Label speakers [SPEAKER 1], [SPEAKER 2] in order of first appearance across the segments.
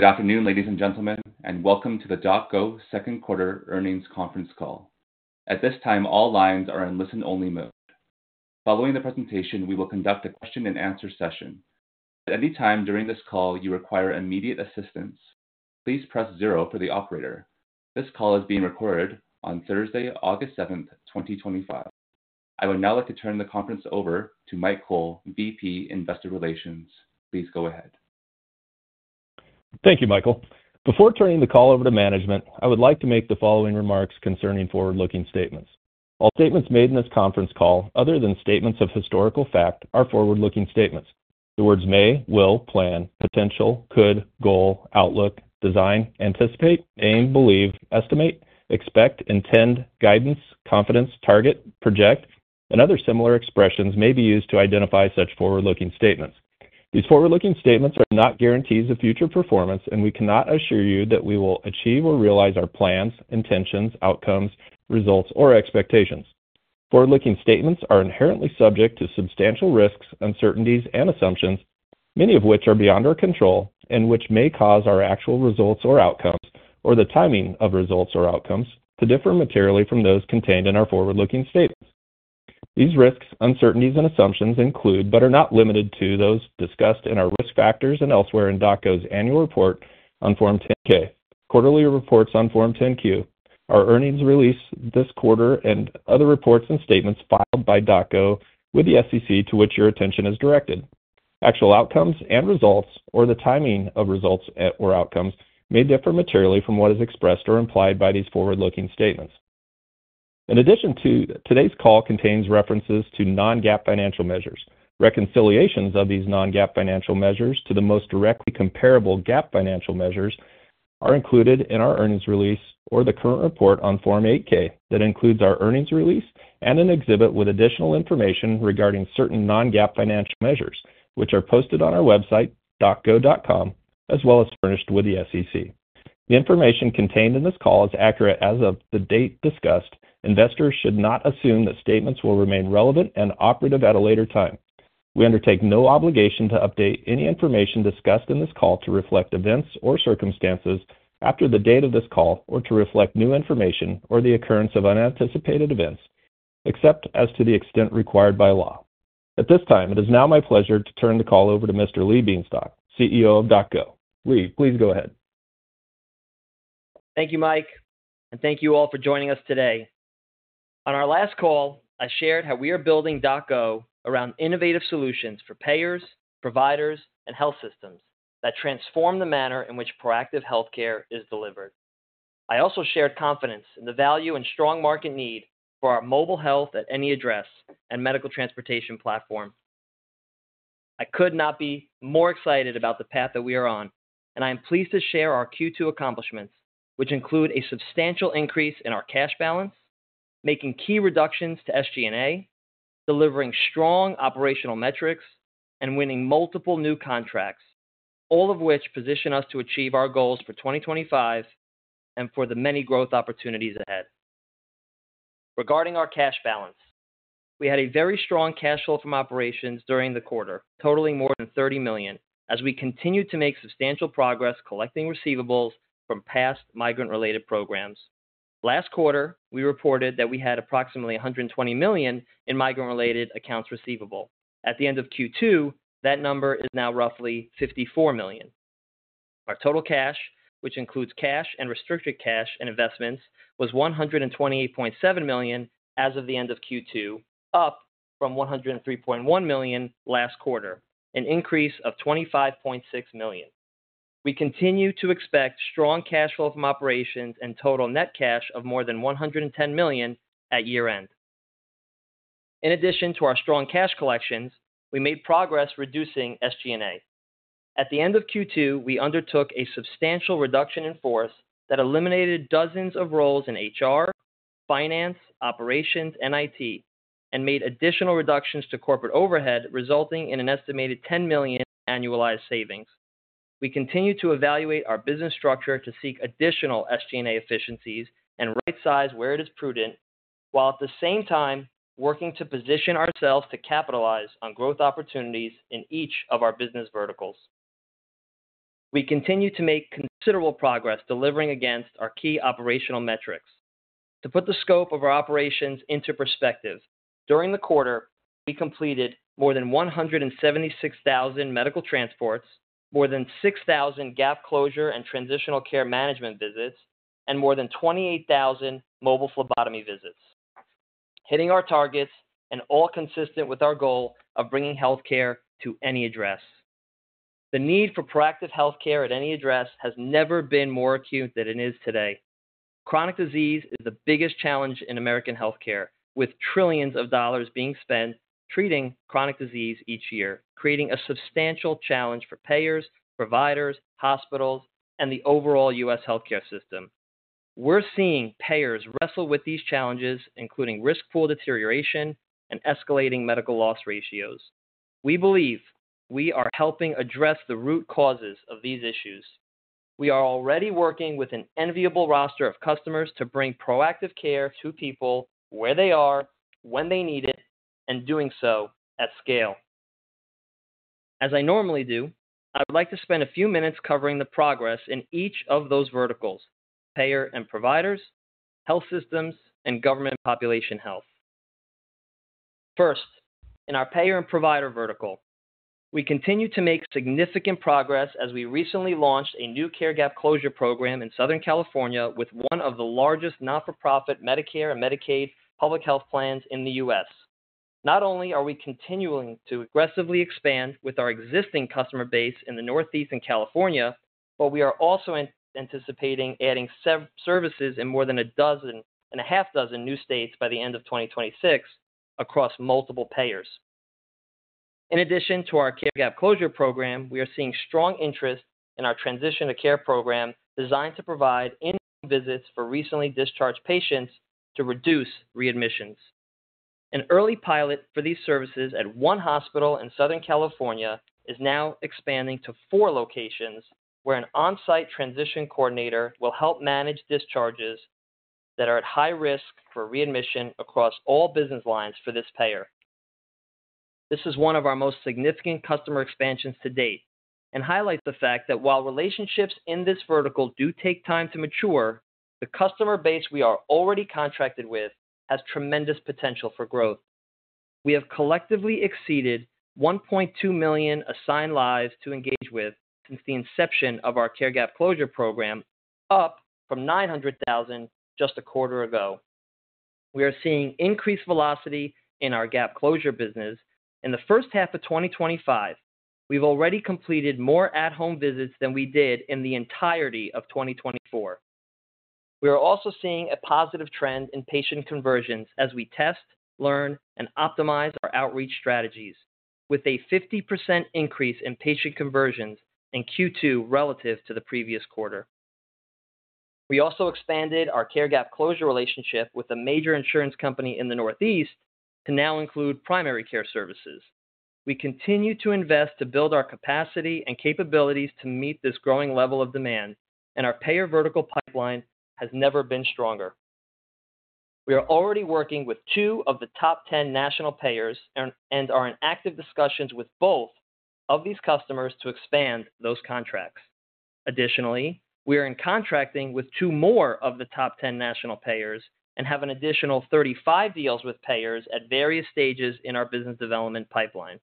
[SPEAKER 1] Good afternoon, ladies and gentlemen, and welcome to the DocGo second quarter earnings conference call. At this time, all lines are in listen-only mode. Following the presentation, we will conduct a question-and-answer session. If at any time during this call you require immediate assistance, please press zero for the operator. This call is being recorded on Thursday, August 7, 2025. I would now like to turn the conference over to Mike Cole, VP of Investor Relations. Please go ahead.
[SPEAKER 2] Thank you, Michael. Before turning the call over to management, I would like to make the following remarks concerning forward-looking statements. All statements made in this conference call, other than statements of historical fact, are forward-looking statements. The words may, will, plan, potential, could, goal, outlook, design, anticipate, aim, believe, estimate, expect, intend, guidance, confidence, target, project, and other similar expressions may be used to identify such forward-looking statements. These forward-looking statements are not guarantees of future performance, and we cannot assure you that we will achieve or realize our plans, intentions, outcomes, results, or expectations. Forward-looking statements are inherently subject to substantial risks, uncertainties, and assumptions, many of which are beyond our control and which may cause our actual results or outcomes, or the timing of results or outcomes, to differ materially from those contained in our forward-looking statements. These risks, uncertainties, and assumptions include, but are not limited to, those discussed in our risk factors and elsewhere in DocGo's annual report on Form 10-K, quarterly reports on Form 10-Q, our earnings release this quarter, and other reports and statements filed by DocGo with the SEC to which your attention is directed. Actual outcomes and results, or the timing of results or outcomes, may differ materially from what is expressed or implied by these forward-looking statements. In addition, today's call contains references to non-GAAP financial measures. Reconciliations of these non-GAAP financial measures to the most directly comparable GAAP financial measures are included in our earnings release or the current report on Form 8-K that includes our earnings release and an exhibit with additional information regarding certain non-GAAP financial measures, which are posted on our website, docgo.com, as well as furnished with the SEC. The information contained in this call is accurate as of the date discussed. Investors should not assume that statements will remain relevant and operative at a later time. We undertake no obligation to update any information discussed in this call to reflect events or circumstances after the date of this call or to reflect new information or the occurrence of unanticipated events, except as to the extent required by law. At this time, it is now my pleasure to turn the call over to Mr. Lee Bienstock, CEO of DocGo. Lee, please go ahead.
[SPEAKER 3] Thank you, Mike, and thank you all for joining us today. On our last call, I shared how we are building DocGo around innovative solutions for payers, providers, and health systems that transform the manner in which proactive healthcare is delivered. I also shared confidence in the value and strong market need for our Mobile Health at any address and Medical Transportation platform. I could not be more excited about the path that we are on, and I am pleased to share our Q2 accomplishments, which include a substantial increase in our cash balance, making key reductions to SG&A, delivering strong operational metrics, and winning multiple new contracts, all of which position us to achieve our goals for 2025 and for the many growth opportunities ahead. Regarding our cash balance, we had a very strong cash flow from operations during the quarter, totaling more than $30 million, as we continued to make substantial progress collecting receivables from past migrant-related programs. Last quarter, we reported that we had approximately $120 million in migrant-related accounts receivable. At the end of Q2, that number is now roughly $54 million. Our total cash, which includes cash and restricted cash and investments, was $128.7 million as of the end of Q2, up from $103.1 million last quarter, an increase of $25.6 million. We continue to expect strong cash flow from operations and total net cash of more than $110 million at year-end. In addition to our strong cash collections, we made progress reducing SG&A. At the end of Q2, we undertook a substantial reduction in force that eliminated dozens of roles in HR, finance, operations, and IT, and made additional reductions to corporate overhead, resulting in an estimated $10 million annualized savings. We continue to evaluate our business structure to seek additional SG&A efficiencies and right-size where it is prudent, while at the same time working to position ourselves to capitalize on growth opportunities in each of our business verticals. We continue to make considerable progress delivering against our key operational metrics. To put the scope of our operations into perspective, during the quarter, we completed more than 176,000 medical transports, more than 6,000 Gap Closure and transitional care management visits, and more than 28,000 mobile phlebotomy visits, hitting our targets and all consistent with our goal of bringing healthcare to any address. The need for proactive healthcare at any address has never been more acute than it is today. Chronic disease is the biggest challenge in American healthcare, with trillions of dollars being spent treating chronic disease each year, creating a substantial challenge for payers, providers, hospitals, and the overall U.S. healthcare system. We're seeing payers wrestle with these challenges, including risk-pool deterioration and escalating medical loss ratios. We believe we are helping address the root causes of these issues. We are already working with an enviable roster of customers to bring proactive care to people where they are, when they need it, and doing so at scale. As I normally do, I would like to spend a few minutes covering the progress in each of those verticals: payers and providers, health systems, and government population health. First, in our payer and provider vertical, we continue to make significant progress as we recently launched a new Care Gap Closure Program in Southern California with one of the largest not-for-profit Medicare and Medicaid public health plans in the U.S. Not only are we continuing to aggressively expand with our existing customer base in the Northeast and California, but we are also anticipating adding services in more than a dozen and a half dozen new states by the end of 2026 across multiple payers. In addition to our Care Gap Closure Program, we are seeing strong interest in our Transition to Care Program designed to provide inpatient visits for recently discharged patients to reduce readmissions. An early pilot for these services at one hospital in Southern California is now expanding to four locations where an on-site transition coordinator will help manage discharges that are at high risk for readmission across all business lines for this payer. This is one of our most significant customer expansions to date and highlights the fact that while relationships in this vertical do take time to mature, the customer base we are already contracted with has tremendous potential for growth. We have collectively exceeded 1.2 million assigned lives to engage with since the inception of our Care Gap Closure Program, up from 900,000 just a quarter ago. We are seeing increased velocity in our Gap Closure business. In the first half of 2025, we've already completed more at-home visits than we did in the entirety of 2024. We are also seeing a positive trend in patient conversions as we test, learn, and optimize our outreach strategies, with a 50% increase in patient conversions in Q2 relative to the previous quarter. We also expanded our Care Gap Closure relationship with a major insurance company in the Northeast to now include primary care services. We continue to invest to build our capacity and capabilities to meet this growing level of demand, and our payer vertical pipeline has never been stronger. We are already working with two of the top 10 national payers and are in active discussions with both of these customers to expand those contracts. Additionally, we are in contracting with two more of the top 10 national payers and have an additional 35 deals with payers at various stages in our business development pipeline.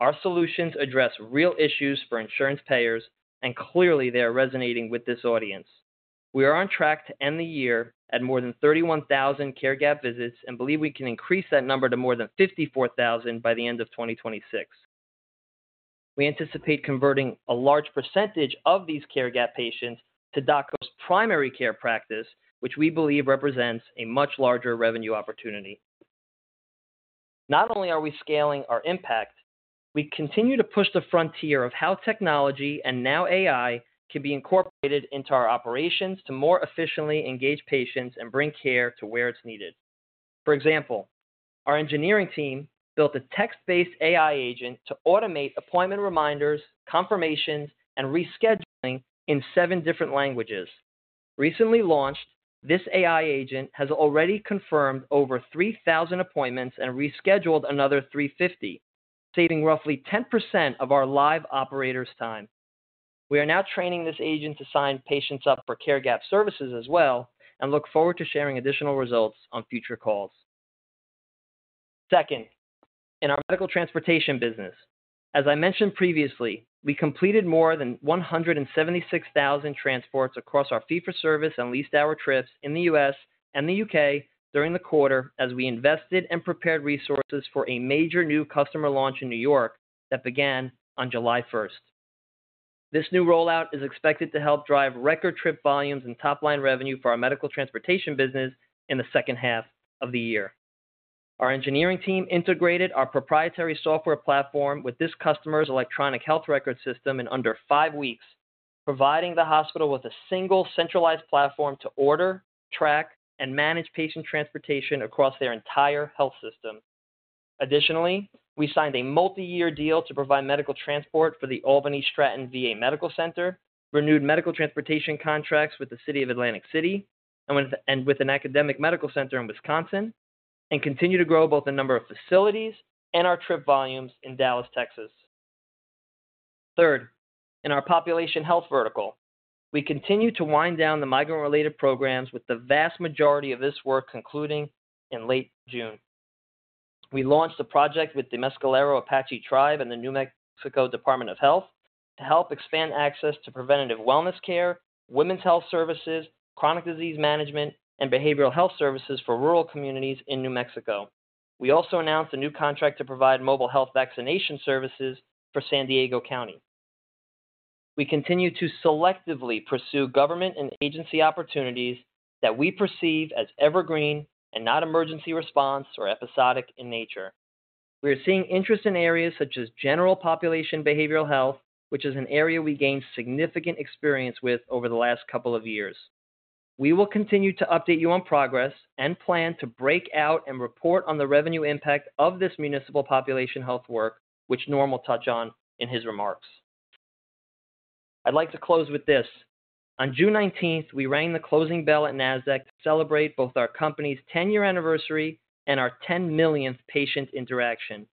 [SPEAKER 3] Our solutions address real issues for insurance payers, and clearly they are resonating with this audience. We are on track to end the year at more than 31,000 Care Gap visits and believe we can increase that number to more than 54,000 by the end of 2026. We anticipate converting a large percentage of these Care Gap patients to DocGo's primary care practice, which we believe represents a much larger revenue opportunity. Not only are we scaling our impact, we continue to push the frontier of how technology and now AI can be incorporated into our operations to more efficiently engage patients and bring care to where it's needed. For example, our engineering team built a text-based AI agent to automate appointment reminders, confirmations, and rescheduling in seven different languages. Recently launched, this AI agent has already confirmed over 3,000 appointments and rescheduled another 350, saving roughly 10% of our live operator's time. We are now training this agent to sign patients up for Care Gap services as well and look forward to sharing additional results on future calls. Second, in our Medical Transportation business, as I mentioned previously, we completed more than 176,000 transports across our fee-for-service and leased-hour trips in the U.S. and the UK during the quarter as we invested and prepared resources for a major new customer launch in New York that began on July 1st. This new rollout is expected to help drive record trip volumes and top-line revenue for our Medical Transportation business in the second half of the year. Our engineering team integrated our proprietary software platform with this customer's electronic health record system in under five weeks, providing the hospital with a single, centralized platform to order, track, and manage patient transportation across their entire health system. Additionally, we signed a multi-year deal to provide medical transport for the Albany-Stratton VA Medical Center, renewed medical transportation contracts with the City of Atlantic City and with an academic medical center in Wisconsin, and continue to grow both the number of facilities and our trip volumes in Dallas, Texas. Third, in our population health vertical, we continue to wind down the migrant-related programs with the vast majority of this work concluding in late June. We launched a project with the Mescalero Apache Tribe and the New Mexico Department of Health to help expand access to preventative wellness care, women's health services, chronic disease management, and behavioral health services for rural communities in New Mexico. We also announced a new contract to provide mobile health vaccination services for San Diego County. We continue to selectively pursue government and agency opportunities that we perceive as evergreen and not emergency response or episodic in nature. We are seeing interest in areas such as general population behavioral health, which is an area we gained significant experience with over the last couple of years. We will continue to update you on progress and plan to break out and report on the revenue impact of this municipal population health work, which Norm will touch on in his remarks. I'd like to close with this: on June 19th, we rang the closing bell at Nasdaq to celebrate both our company's 10-year anniversary and our 10 millionth patient interaction.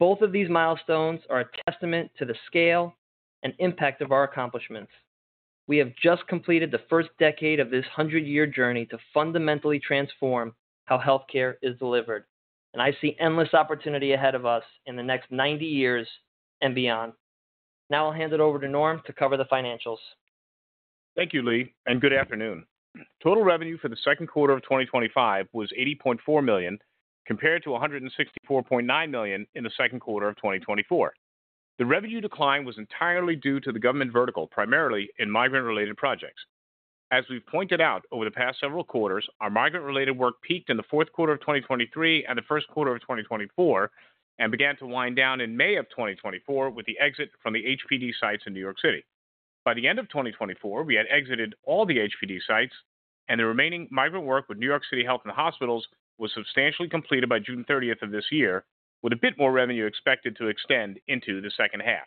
[SPEAKER 3] Both of these milestones are a testament to the scale and impact of our accomplishments. We have just completed the first decade of this 100-year journey to fundamentally transform how healthcare is delivered, and I see endless opportunity ahead of us in the next 90 years and beyond. Now I'll hand it over to Norm to cover the financials.
[SPEAKER 4] Thank you, Lee, and good afternoon. Total revenue for the second quarter of 2025 was $80.4 million, compared to $164.9 million in the second quarter of 2024. The revenue decline was entirely due to the government vertical, primarily in migrant-related projects. As we've pointed out over the past several quarters, our migrant-related work peaked in the fourth quarter of 2023 and the first quarter of 2024 and began to wind down in May of 2024 with the exit from the HPD sites in New York City. By the end of 2024, we had exited all the HPD sites, and the remaining migrant work with New York City Health and Hospitals was substantially completed by June 30 of this year, with a bit more revenue expected to extend into the second half.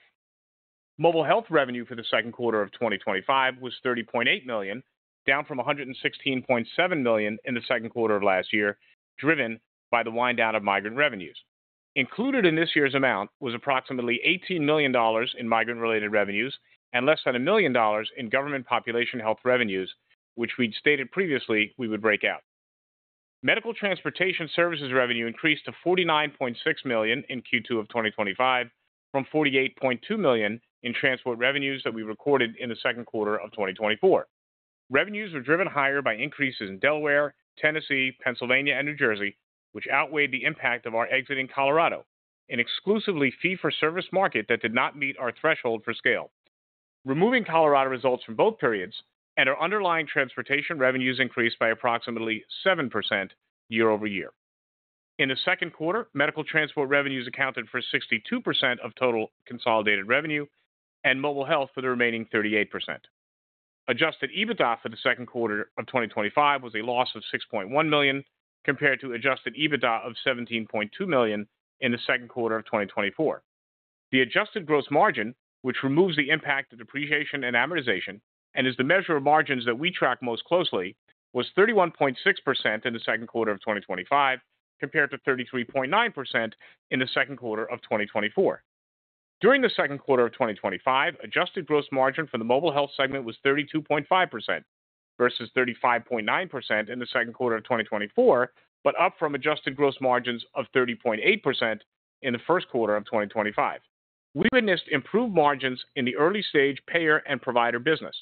[SPEAKER 4] Mobile Health revenue for the second quarter of 2025 was $30.8 million, down from $116.7 million in the second quarter of last year, driven by the wind-down of migrant revenues. Included in this year's amount was approximately $18 million in migrant-related revenues and less than $1 million in government population health revenues, which we'd stated previously we would break out. Medical Transportation services revenue increased to $49.6 million in Q2 of 2025, from $48.2 million in transport revenues that we recorded in the second quarter of 2024. Revenues were driven higher by increases in Delaware, Tennessee, Pennsylvania, and New Jersey, which outweighed the impact of our exit in Colorado, an exclusively fee-for-service market that did not meet our threshold for scale. Removing Colorado results from both periods, our underlying transportation revenues increased by approximately 7% year over year. In the second quarter, Medical Transportation revenues accounted for 62% of total consolidated revenue, and Mobile Health for the remaining 38%. Adjusted EBITDA for the second quarter of 2025 was a loss of $6.1 million, compared to adjusted EBITDA of $17.2 million in the second quarter of 2024. The adjusted gross margin, which removes the impact of depreciation and amortization and is the measure of margins that we track most closely, was 31.6% in the second quarter of 2025, compared to 33.9% in the second quarter of 2024. During the second quarter of 2025, adjusted gross margin for the Mobile Health segment was 32.5% versus 35.9% in the second quarter of 2024, but up from adjusted gross margins of 30.8% in the first quarter of 2025. We witnessed improved margins in the early-stage payer and provider business.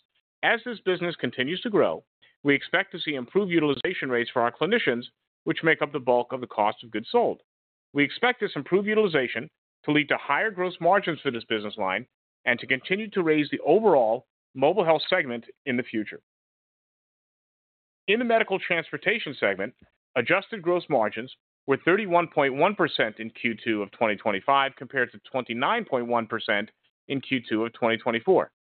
[SPEAKER 4] As this business continues to grow, we expect to see improved utilization rates for our clinicians, which make up the bulk of the cost of goods sold. We expect this improved utilization to lead to higher gross margins for this business line and to continue to raise the overall Mobile Health segment in the future. In the Medical Transportation segment, adjusted gross margins were 31.1% in Q2 of 2025, compared to 29.1% in Q2 of 2024.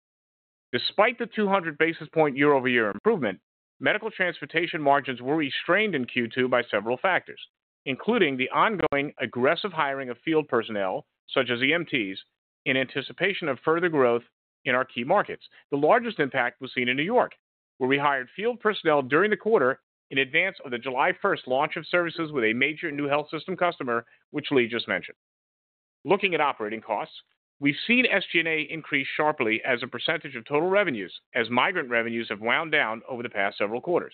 [SPEAKER 4] Despite the 200 basis point year-over-year improvement, Medical Transportation margins were restrained in Q2 by several factors, including the ongoing aggressive hiring of field personnel, such as EMTs, in anticipation of further growth in our key markets. The largest impact was seen in New York, where we hired field personnel during the quarter in advance of the July 1 launch of services with a major new health system customer, which Lee just mentioned. Looking at operating costs, we've seen SG&A increase sharply as a percentage of total revenues as migrant revenues have wound down over the past several quarters.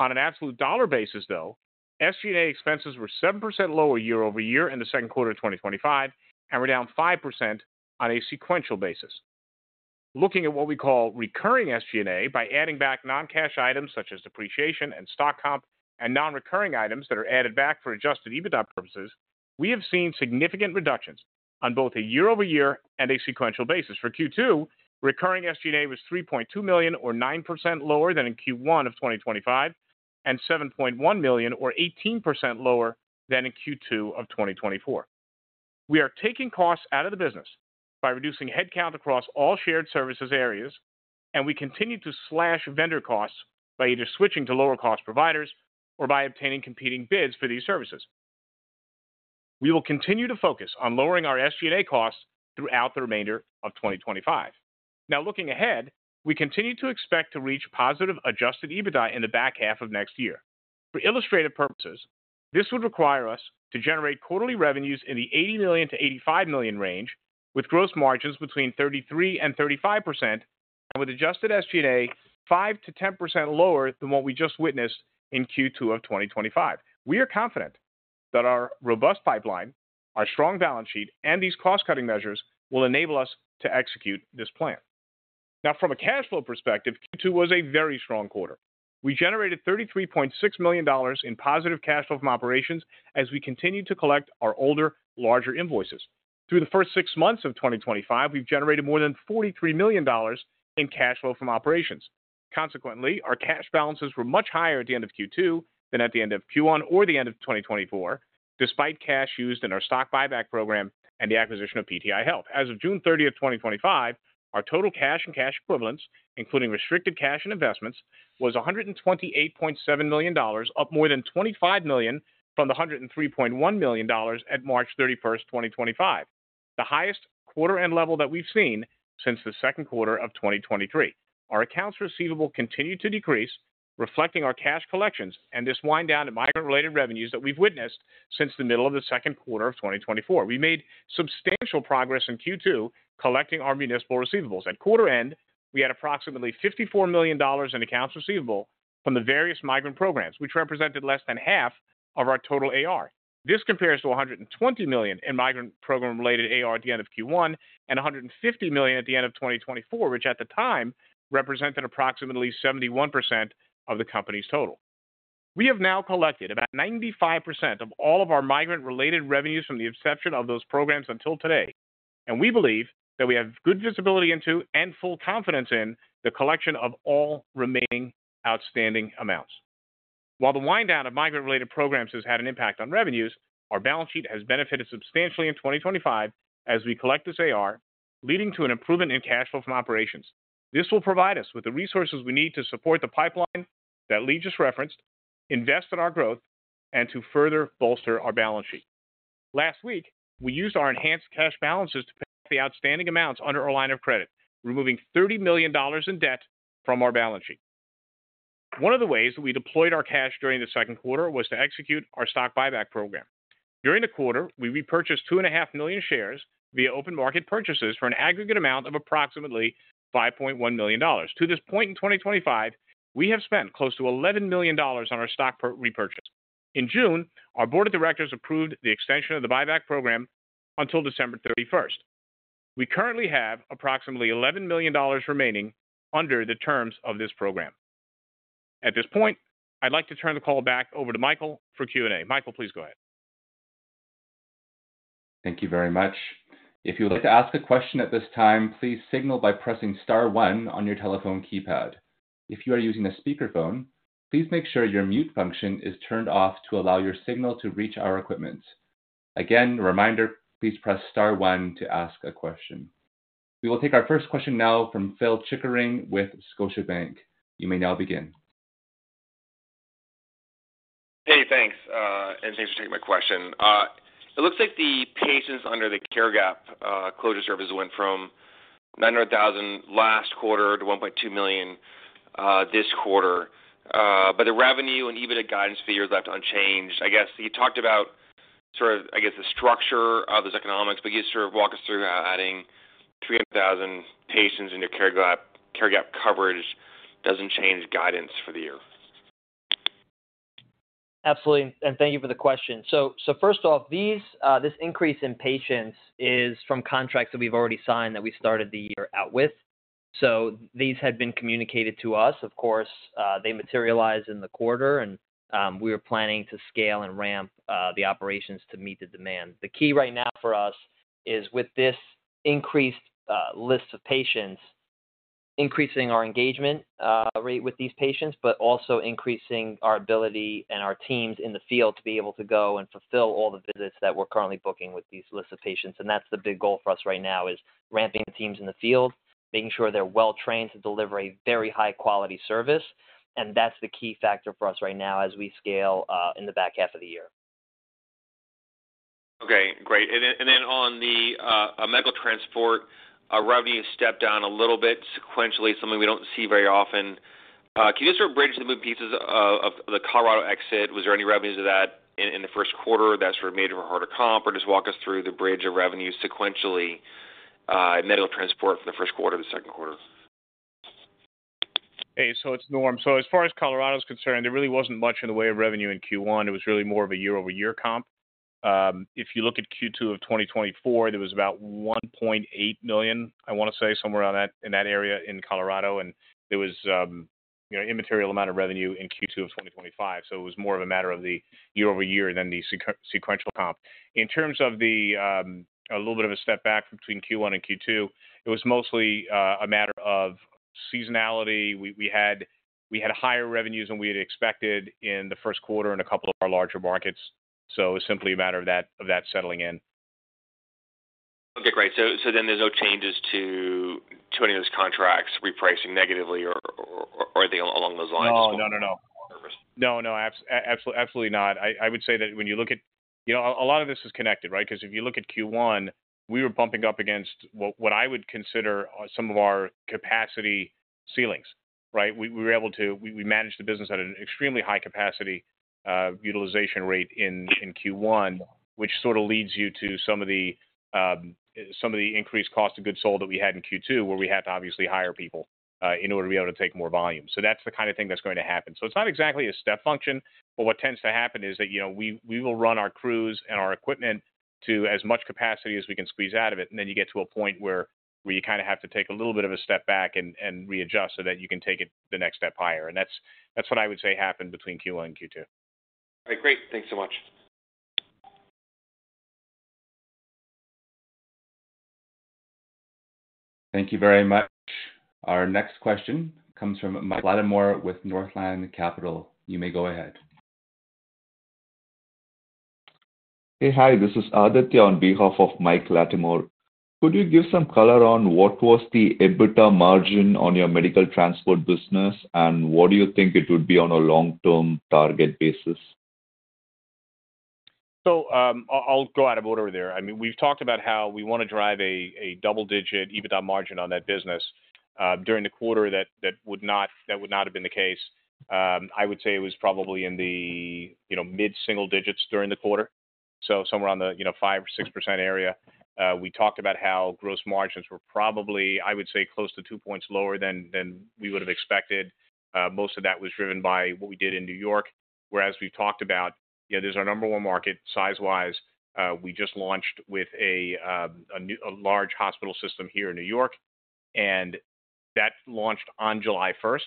[SPEAKER 4] On an absolute dollar basis, though, SG&A expenses were 7% lower year over year in the second quarter of 2025 and were down 5% on a sequential basis. Looking at what we call recurring SG&A by adding back non-cash items such as depreciation and stock comp and non-recurring items that are added back for adjusted EBITDA purposes, we have seen significant reductions on both a year-over-year and a sequential basis. For Q2, recurring SG&A was $3.2 million, or 9% lower than in Q1 of 2025, and $7.1 million, or 18% lower than in Q2 of 2024. We are taking costs out of the business by reducing headcount across all shared services areas, and we continue to slash vendor costs by either switching to lower-cost providers or by obtaining competing bids for these services. We will continue to focus on lowering our SG&A costs throughout the remainder of 2025. Now, looking ahead, we continue to expect to reach positive adjusted EBITDA in the back half of next year. For illustrative purposes, this would require us to generate quarterly revenues in the $80 million to $85 million range, with gross margins between 33% and 35%, and with adjusted SG&A 5% to 10% lower than what we just witnessed in Q2 of 2025. We are confident that our robust pipeline, our strong balance sheet, and these cost-cutting measures will enable us to execute this plan. Now, from a cash flow perspective, Q2 was a very strong quarter. We generated $33.6 million in positive cash flow from operations as we continued to collect our older, larger invoices. Through the first six months of 2025, we've generated more than $43 million in cash flow from operations. Consequently, our cash balances were much higher at the end of Q2 than at the end of Q1 or the end of 2024, despite cash used in our stock buyback program and the acquisition of PTI Health. As of June 30, 2025, our total cash and cash equivalents, including restricted cash and investments, was $128.7 million, up more than $25 million from the $103.1 million at March 31, 2025, the highest quarter-end level that we've seen since the second quarter of 2023. Our accounts receivable continued to decrease, reflecting our cash collections and this wind-down in migrant-related revenues that we've witnessed since the middle of the second quarter of 2024. We made substantial progress in Q2 collecting our municipal receivables. At quarter end, we had approximately $54 million in accounts receivable from the various migrant programs, which represented less than half of our total AR. This compares to $120 million in migrant program-related AR at the end of Q1 and $150 million at the end of 2024, which at the time represented approximately 71% of the company's total. We have now collected about 95% of all of our migrant-related revenues from the inception of those programs until today, and we believe that we have good visibility into and full confidence in the collection of all remaining outstanding amounts. While the wind-down of migrant-related programs has had an impact on revenues, our balance sheet has benefited substantially in 2025 as we collect this AR, leading to an improvement in cash flow from operations. This will provide us with the resources we need to support the pipeline that Lee just referenced, invest in our growth, and to further bolster our balance sheet. Last week, we used our enhanced cash balances to pay off the outstanding amounts under our line of credit, removing $30 million in debt from our balance sheet. One of the ways that we deployed our cash during the second quarter was to execute our stock buyback program. During the quarter, we repurchased 2.5 million shares via open market purchases for an aggregate amount of approximately $5.1 million. To this point in 2025, we have spent close to $11 million on our stock repurchase. In June, our Board of Directors approved the extension of the buyback program until December 31. We currently have approximately $11 million remaining under the terms of this program. At this point, I'd like to turn the call back over to Michael for Q&A. Michael, please go ahead.
[SPEAKER 1] Thank you very much. If you would like to ask a question at this time, please signal by pressing star one on your telephone keypad. If you are using a speakerphone, please make sure your mute function is turned off to allow your signal to reach our equipment. Again, reminder, please press star one to ask a question. We will take our first question now from Pito Chickering with Deustche Bank. You may now begin.
[SPEAKER 5] Thank you for taking my question. It looks like the patients under the Care Gap Closure Programs went from 900,000 last quarter to 1.2 million this quarter, but the revenue and EBITDA guidance figure is left unchanged. I guess you talked about the structure of those economics, but can you walk us through how adding 300,000 patients into Care Gap coverage doesn't change guidance for the year?
[SPEAKER 3] Absolutely, and thank you for the question. First off, this increase in patients is from contracts that we've already signed that we started the year out with. These had been communicated to us. Of course, they materialized in the quarter, and we are planning to scale and ramp the operations to meet the demand. The key right now for us is with this increased list of patients, increasing our engagement rate with these patients, but also increasing our ability and our teams in the field to be able to go and fulfill all the visits that we're currently booking with these lists of patients. That's the big goal for us right now, ramping the teams in the field, making sure they're well-trained to deliver a very high-quality service. That's the key factor for us right now as we scale in the back half of the year.
[SPEAKER 5] Okay, great. On the Medical Transportation, revenue stepped down a little bit sequentially, something we don't see very often. Can you just sort of bridge the moving pieces of the Colorado exit? Was there any revenue to that in the first quarter that made it harder to comp, or just walk us through the bridge of revenue sequentially in Medical Transportation from the first quarter to the second quarter?
[SPEAKER 4] Hey, it's Norm. As far as Colorado is concerned, there really wasn't much in the way of revenue in Q1. It was really more of a year-over-year comp. If you look at Q2 of 2024, there was about $1.8 million, I want to say, somewhere around that in that area in Colorado, and there was an immaterial amount of revenue in Q2 of 2025. It was more a matter of the year-over-year than the sequential comp. In terms of a little bit of a step back between Q1 and Q2, it was mostly a matter of seasonality. We had higher revenues than we had expected in the first quarter in a couple of our larger markets. It was simply a matter of that settling in.
[SPEAKER 5] Okay, great. There are no changes to any of those contracts repricing negatively or anything along those lines?
[SPEAKER 4] Absolutely not. I would say that when you look at, you know, a lot of this is connected, right? Because if you look at Q1, we were bumping up against what I would consider some of our capacity ceilings, right? We managed the business at an extremely high capacity utilization rate in Q1, which sort of leads you to some of the increased cost of goods sold that we had in Q2, where we had to obviously hire people in order to be able to take more volume. That's the kind of thing that's going to happen. It's not exactly a step function, but what tends to happen is that, you know, we will run our crews and our equipment to as much capacity as we can squeeze out of it. You get to a point where you kind of have to take a little bit of a step back and readjust so that you can take it the next step higher. That's what I would say happened between Q1 and Q2.
[SPEAKER 5] All right, great. Thanks so much.
[SPEAKER 1] Thank you very much. Our next question comes from Mike Latimore with Northland Capital. You may go ahead.
[SPEAKER 6] Hey, hi, this is Aditya on behalf of Mike Latimore. Could you give some color on what was the EBITDA margin on your Medical Transportation business and what do you think it would be on a long-term target basis?
[SPEAKER 4] I'll go at it over there. I mean, we've talked about how we want to drive a double-digit EBITDA margin on that business. During the quarter, that would not have been the case. I would say it was probably in the mid-single digits during the quarter, somewhere around the 5% or 6% area. We talked about how gross margins were probably, I would say, close to two points lower than we would have expected. Most of that was driven by what we did in New York, where, as we've talked about, you know, that's our number one market size-wise. We just launched with a large hospital system here in New York, and that launched on July 1.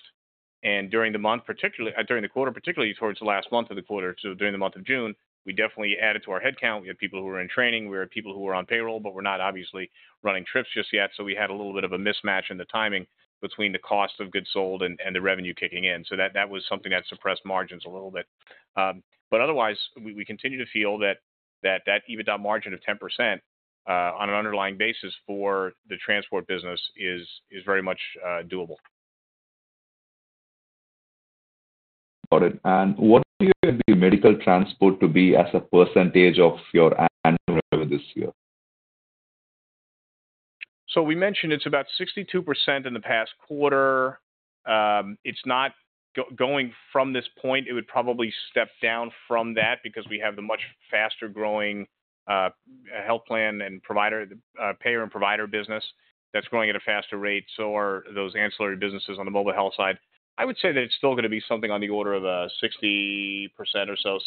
[SPEAKER 4] During the quarter, particularly towards the last month of the quarter, during the month of June, we definitely added to our headcount. We had people who were in training, we had people who were on payroll, but were not obviously running trips just yet. We had a little bit of a mismatch in the timing between the cost of goods sold and the revenue kicking in. That was something that suppressed margins a little bit. Otherwise, we continue to feel that that EBITDA margin of 10% on an underlying basis for the transport business is very much doable.
[SPEAKER 6] Got it. What do you think the Medical Transportation to be as a % of your annual revenue this year?
[SPEAKER 4] We mentioned it's about 62% in the past quarter. It's not going from this point. It would probably step down from that because we have the much faster growing health plan and payer and provider business that's growing at a faster rate. Those ancillary businesses on the Mobile Health side are also growing. I would say that it's still going to be something on the order of 60% or so,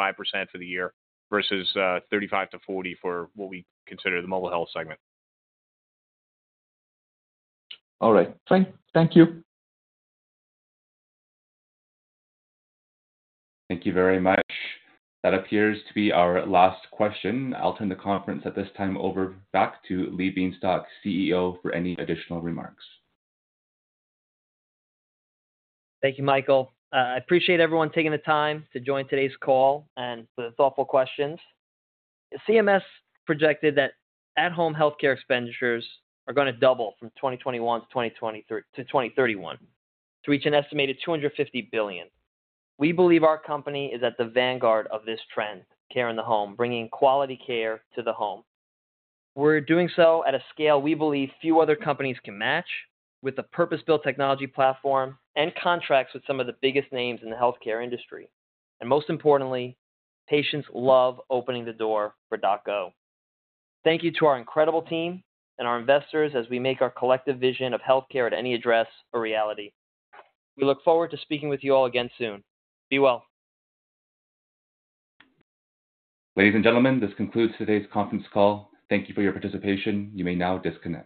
[SPEAKER 4] 60%-65% for the year versus 35%-40% for what we consider the Mobile Health segment.
[SPEAKER 6] All right. Thank you.
[SPEAKER 1] Thank you very much. That appears to be our last question. I'll turn the conference at this time back to Lee Bienstock, CEO, for any additional remarks.
[SPEAKER 3] Thank you, Michael. I appreciate everyone taking the time to join today's call and for the thoughtful questions. CMS projected that at-home healthcare expenditures are going to double from 2021 to 2031 to reach an estimated $250 billion. We believe our company is at the vanguard of this trend, care in the home, bringing quality care to the home. We are doing so at a scale we believe few other companies can match, with the purpose-built technology platform and contracts with some of the biggest names in the healthcare industry. Most importantly, patients love opening the door for DocGo. Thank you to our incredible team and our investors as we make our collective vision of healthcare at any address a reality. We look forward to speaking with you all again soon. Be well.
[SPEAKER 1] Ladies and gentlemen, this concludes today's conference call. Thank you for your participation. You may now disconnect.